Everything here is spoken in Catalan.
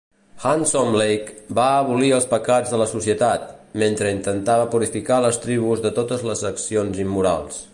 Handsome Lake va abolir els pecats de la societat, mentre intentava purificar les tribus de totes les accions immorals.